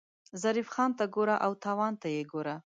ظریف خان ته ګوره او تاوان ته یې ګوره.